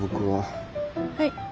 はい。